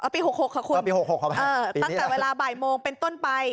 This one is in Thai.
ปี๖๖ค่ะคุณปี๖๖ตั้งแต่เวลาบ่ายโมงเป็นต้นไป